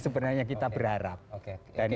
sebenarnya kita berharap dan